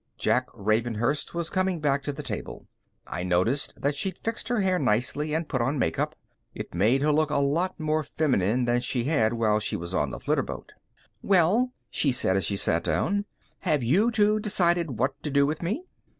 Jack Ravenhurst was coming back to the table. I noticed that she'd fixed her hair nicely and put on make up. It made her look a lot more feminine than she had while she was on the flitterboat. "Well," she said as she sat down, "have you two decided what to do with me?"